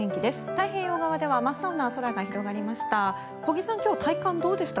太平洋側では真っ青な空が広がりました。